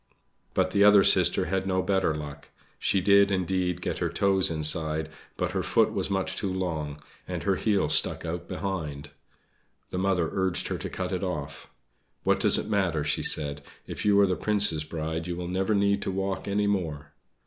But the other sister had no better luck. She did, indeed, get her toes inside, but her foot was much too long, and her heel stuck out behind. The mother urged her to cut it off. "What does it matter?" she said. "If you are the Prince's bride you will never need to walk any more."